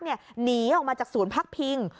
หนีออกมาจากภาคพิง